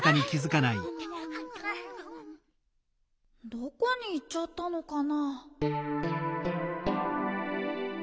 どこにいっちゃったのかな？